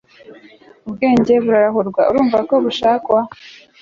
ubwenge burarahurwa urumva ko bushakwa